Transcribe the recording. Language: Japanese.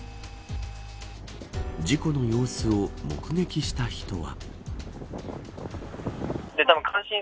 事故の様子を目撃した人は。